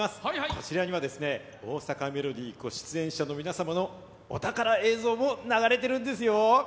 こちらには「大阪メロディー」を出演者の皆様のお宝映像も流れてるんですよ。